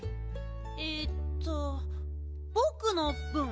えっとぼくのぶん？